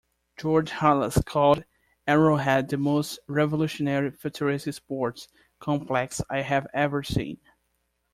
George Halas called Arrowhead the most revolutionary, futuristic sports complex I have ever seen.